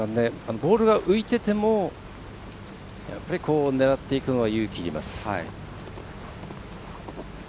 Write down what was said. ボールが浮いててもやっぱり狙っていくのは勇気がいります。